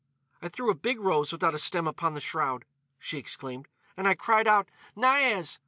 "I threw a big rose without a stem upon the shroud," she exclaimed, "and I cried out, 'Niaz!